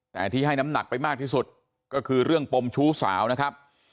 แต่ที่ให้น้ำหนักไปมากที่สุดก็คือเรื่องปมชู้สาวนะครับ